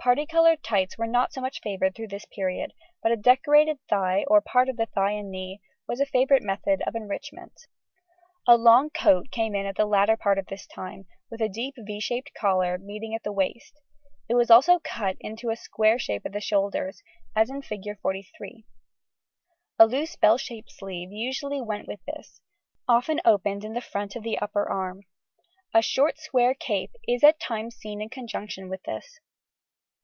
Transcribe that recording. Parti coloured tights were not so much favoured through this period, but a decorated thigh, or part of the thigh and knee, was a favourite method of enrichment. [Illustration: FIG. 36.] A long coat came in at the later part of this time, with a deep =V= shaped collar meeting at the waist; it was also cut into a square shape at the shoulders, as in Fig. 43 (see p. 119). A loose bell shaped sleeve usually went with this, often opened in the front of the upper arm. A short square cape is at times seen in conjunction with this.